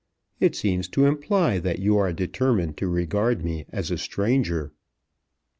It seems to imply that you are determined to regard me as a stranger.